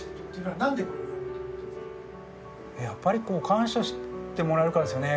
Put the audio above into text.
やっぱり感謝してもらえるからですよね